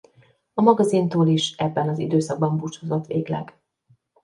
A magazintól is ebben az időszakban búcsúzott végleg.